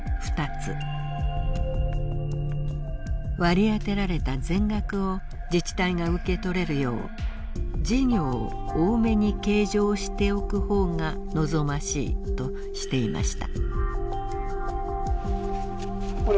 割り当てられた全額を自治体が受け取れるよう「事業を多めに計上しておく方が望ましい」としていました。